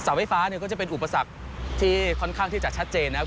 ไฟฟ้าเนี่ยก็จะเป็นอุปสรรคที่ค่อนข้างที่จะชัดเจนนะครับ